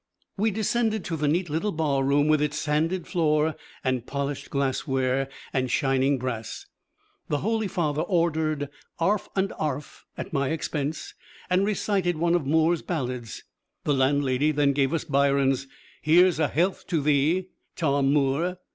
We descended to the neat little barroom with its sanded floor and polished glassware and shining brass. The holy father ordered 'arf and 'arf at my expense and recited one of Moore's ballads. The landlady then gave us Byron's "Here's a Health to Thee, Tom Moore."